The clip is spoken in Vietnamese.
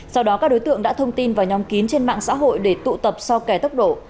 sau đó các đối tượng đã thông tin vào nhóm kín trên mạng xã hội để tụ tập so kẻ tốc độ